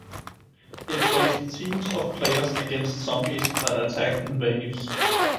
It placed teams of players against zombies that attacked in waves.